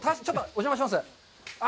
お邪魔します。